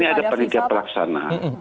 ini ada panitia pelaksana